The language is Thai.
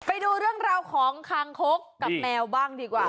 ไปดูเรื่องราวของคางคกกับแมวบ้างดีกว่า